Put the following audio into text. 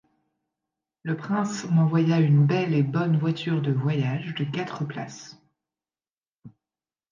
Le prince m'envoya une belle et bonne voiture de voyage, de quatre places.